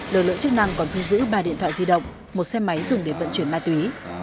lực lượng chức năng còn thu giữ ba điện thoại di động một xe máy dùng để vận chuyển ma túy